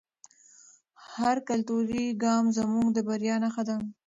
هر کلتوري ګام زموږ د بریا نښه ده.